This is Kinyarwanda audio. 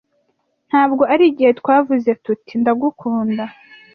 ntabwo ari igihe twavuze tuti ndagukunda